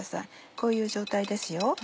こういう状態ですよ。